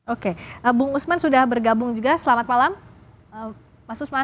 oke bung usman sudah bergabung juga selamat malam mas usman